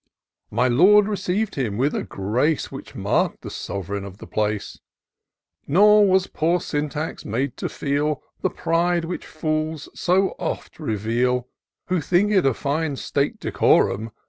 My Lord receiv'd him with a grace Which mark'd the sov'reign of the place ; Nor was poor Syntax made to feel The pride which fools so oft reveal. Who think it a fine state decorum.